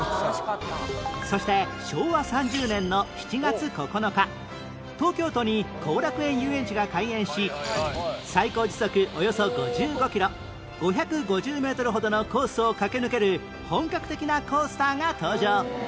そして昭和３０年の７月９日東京都に後楽園ゆうえんちが開園し最高時速およそ５５キロ５５０メートルほどのコースを駆け抜ける本格的なコースターが登場